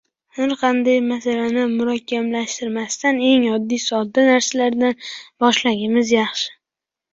Har qanday masalani murakkablashtirmasdan, eng oddiy, sodda narsalardan boshlaganimiz yaxshi.